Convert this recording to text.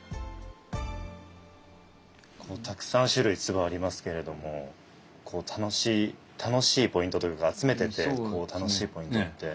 たくさん種類鐔ありますけれどもこう楽しいポイントというか集めててこう楽しいポイントって。